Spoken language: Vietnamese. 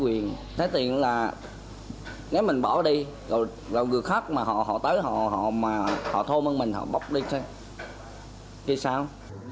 tuy nhiên là nếu mình bỏ đi rồi là người khác mà họ tới họ mà họ thôn vân mình họ bóc đi chứ kia sao